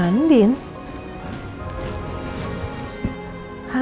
kami ketemu soedipial ma makasih